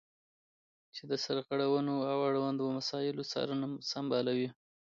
چې د سرغړونو او اړوندو مسایلو څارنه سمبالوي.